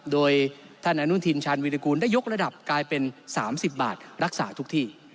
โดยท่านอนุทินชาญวิรากูลได้ยกระดับกลายเป็น๓๐บาทรักษาทุกที่